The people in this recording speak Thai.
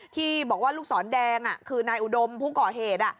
ที่บอกว่าลูกศรแดงคือนายอุดมผู้ก่อเหตุ